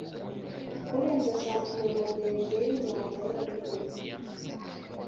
Kurenza shampiyona ndende yinyanja yonyine;